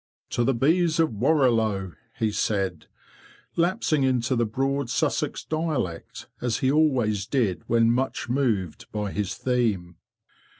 ""To the Bees of Warrilow!'' he said, lapsing into the broad Sussex dialect, as he always did when much moved by his theme.